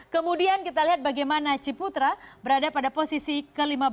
kemudian kita lihat bagaimana ciputra berada pada posisi ke lima belas